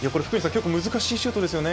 結構難しいシュートですよね。